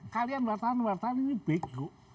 kalian wartawan wartawan ini beku